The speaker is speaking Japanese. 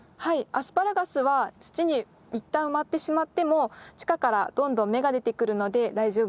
アスパラガスは土に一旦埋まってしまっても地下からどんどん芽が出てくるので大丈夫です。